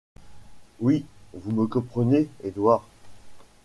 Oui, vous me comprenez, Edward !